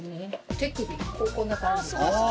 手首こんな感じで。